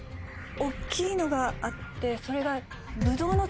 大っきいのがあってそれが。